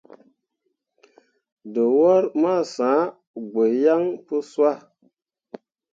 Dǝwor ma sãã gbo yaŋ pu sah.